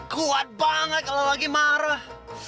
kuat banget kalau lagi marah